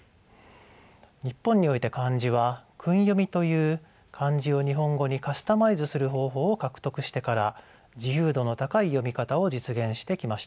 日本において漢字は訓読みという漢字を日本語にカスタマイズする方法を獲得してから自由度の高い読み方を実現してきました。